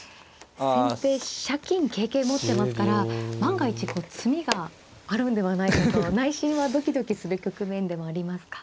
先手飛車金桂桂持ってますから万が一詰みがあるんではないかと内心はドキドキする局面でもありますか。